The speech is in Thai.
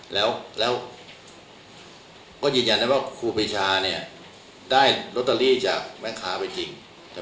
แล้วก็ยืนยันได้ว่าครูปีชาได้ลอตเตอรี่จากแม่ค้าไปจริง